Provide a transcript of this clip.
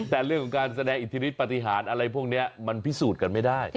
แต่เรื่องของการแสดงอิทธิฤทธิปฏิหารอะไรพวกนี้มันพิสูจน์กันไม่ได้